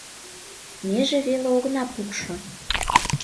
Меже веле огына пукшо.